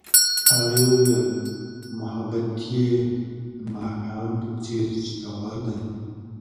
هغې وویل محبت یې د ماښام په څېر ژور دی.